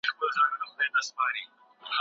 دواړو لوریو یو بل ته درناوی درلود.